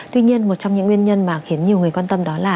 tuy nhiên một trong những nguyên nhân mà khiến nhiều người quan tâm đó là